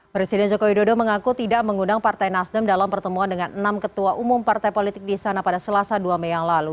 presiden jokowi dodo mengaku tidak mengundang partai nasdem dalam pertemuan dengan enam ketua umum partai politik di sana pada selasa dua mei yang lalu